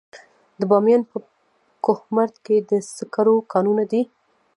د بامیان په کهمرد کې د سکرو کانونه دي.